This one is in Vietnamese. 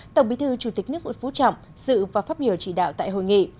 tổng bí thư chủ tịch nước quận phú trọng dự và pháp biểu chỉ đạo tại hội nghị